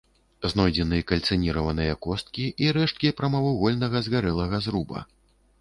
Знойдзены кальцыніраваныя косці і рэшткі прамавугольнага згарэлага зруба.